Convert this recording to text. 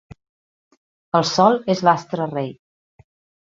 El sol és l'astre rei.